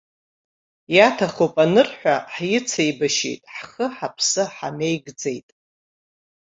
Иаҭахуп анырҳәа ҳицеибашьит, ҳхы-ҳаԥсы ҳамеигӡеит.